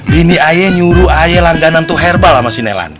bini ayah nyuruh ayah langganan tuh herbal sama si nelan